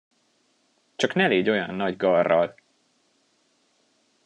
Csak ne légy olyan nagy garral!